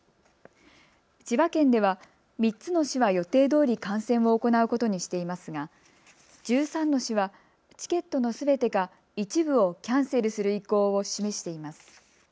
千葉県では３つの市は予定どおり観戦を行うことにしていますが１３の市はチケットのすべてか一部をキャンセルする意向を示しています。